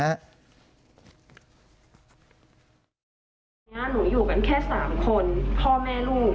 หนูอยู่กันแค่๓คนพ่อแม่ลูก